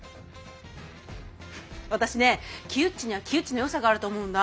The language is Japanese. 私ねキウッチにはキウッチのよさがあると思うんだ。